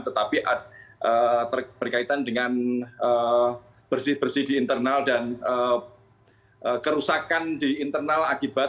tetapi berkaitan dengan bersih bersih di internal dan kerusakan di internal akibat